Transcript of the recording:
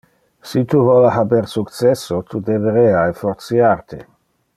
Si tu vole haber successo, tu deberea effortiar te.